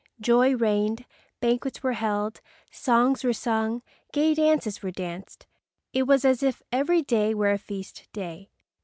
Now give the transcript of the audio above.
Joy reigned. Banquets were held, songs were sung, gay dances were danced. It was as if every day were a feast day.